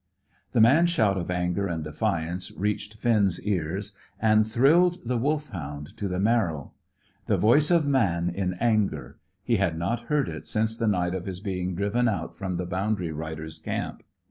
The man's shout of anger and defiance reached Finn's ears, and thrilled the Wolfhound to the marrow. The voice of man in anger; he had not heard it since the night of his being driven out from the boundary rider's camp.